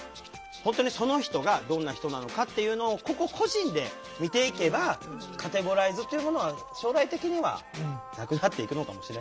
本当にその人がどんな人なのかっていうのを個々個人で見ていけばカテゴライズっていうものは将来的にはなくなっていくのかもしれないね。